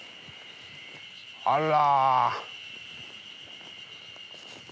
あら。